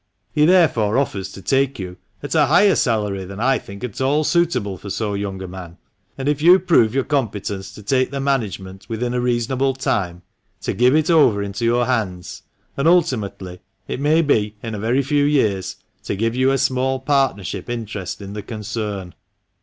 He therefore offers to take you at a higher salary than I think at all suitable for so young a man, and if you prove your competence to take the management within a reasonable time, to give it over into your hands, and ultimately — it may be in a very few years — to give you a small partnership interest in the concern."